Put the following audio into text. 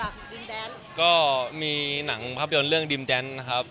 ดินแดนก็มีหนังภาพยนตร์เรื่องดินแดนนะครับ